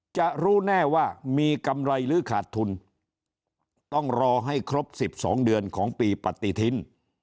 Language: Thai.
จะรู้แน่ว่ามีกำไรหรือขาดทุนต้องรอให้ครบ๑๒เดือนของปีปฏิทิน